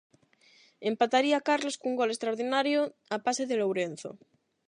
Empataría Carlos cun gol extraordinario a pase de Lourenzo.